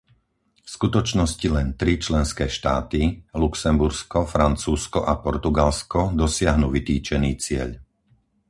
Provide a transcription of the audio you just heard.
V skutočnosti len tri členské štáty, Luxembursko, Francúzsko a Portugalsko, dosiahnu vytýčený cieľ.